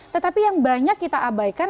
tetapi yang banyak kita abaikan